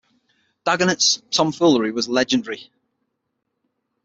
Dagonet's tom-foolery was legendary.